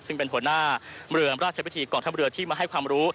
ซึ่งเป็นหัวหน้าเมืองราชพิธีกองทัพเรือที่มาให้ความรู้